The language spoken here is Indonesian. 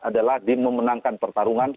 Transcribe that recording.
adalah di memenangkan pertarungan